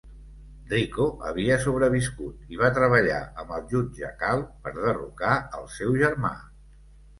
Rico havia sobreviscut i va treballar amb el Jutge Cal per derrocar el seu germà.